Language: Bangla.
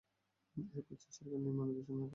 এর পর চিন সরকার নির্মানের ঘোষণা করে।